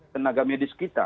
tenaga medis kita